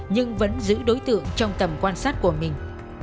nhưng vẫn giữ đối tượng trong tầm quan sát của mình